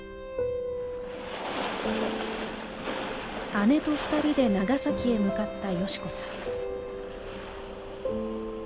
姉と２人で長崎へ向かった祥子さん。